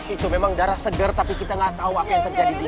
itu memang darah segar tapi kita gak tau apa yang terjadi di situ